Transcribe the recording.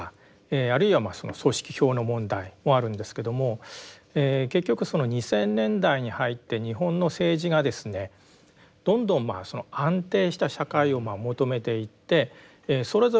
あるいは組織票の問題もあるんですけども結局２０００年代に入って日本の政治がですねどんどん安定した社会を求めていってそれぞれの政党が組織票を重視しますね。